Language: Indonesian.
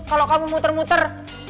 kalo kamu muter muter